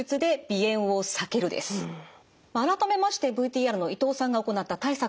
改めましてＶＴＲの伊藤さんが行った対策ご覧ください。